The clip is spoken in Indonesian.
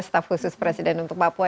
staf khusus presiden untuk papua